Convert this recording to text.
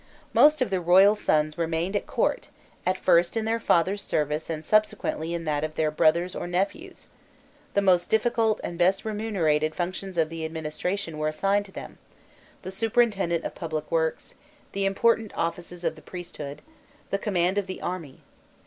Most of the royal sons remained at court, at first in their father's service and subsequently in that of their brothers' or nephews': the most difficult and best remunerated functions of the administration were assigned to them, the superintendence of public works, the important offices of the priesthood, the command of the army.